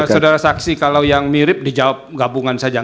saudara saksi kalau yang mirip dijawab gabungan saja